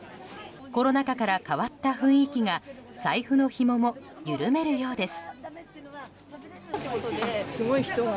コロナ禍から変わった雰囲気が財布のひもも緩めるようです。